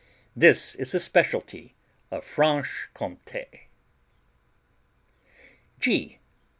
This is a specialty of Franche Comté.